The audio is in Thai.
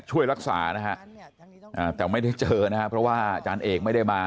ช่วยรักษานะฮะแต่ไม่ได้เจอนะฮะเพราะว่าอาจารย์เอกไม่ได้มา